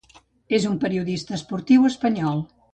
És un periodista esportiu espanyol.